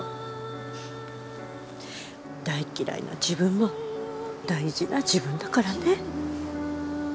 大嫌いな自分も大事な自分だからね。